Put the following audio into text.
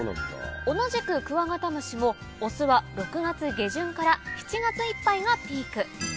同じくクワガタムシもオスは６月下旬から７月いっぱいがピーク